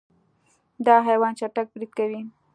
دا حیوان چټک برید کوي.